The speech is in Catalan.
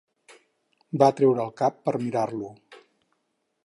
Va treure el cap per mirar-lo.